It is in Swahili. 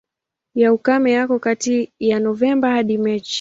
Ya ukame yako kati ya Novemba hadi Machi.